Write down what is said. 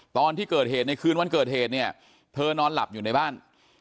ตอนที่เกิดเหตุในคืนวันเกิดเหตุเนี่ยเธอนอนหลับอยู่ในบ้าน